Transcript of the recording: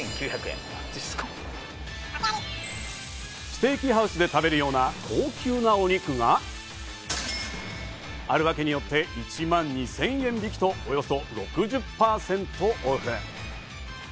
ステーキハウスで食べるような高級なお肉が、あるワケによって１万２０００円引きとおよそ６０％オフ。